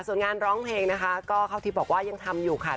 ส่วนงานร้องเพลงก็เบาตีบบอกว่ายังทำอยู่ค่ะ